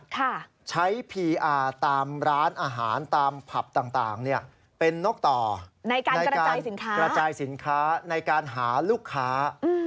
กระจายสินค้าในการหาลูกค้า